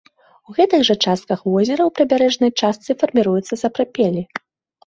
У гэтых жа частках возера ў прыбярэжнай частцы фарміруюцца сапрапелі.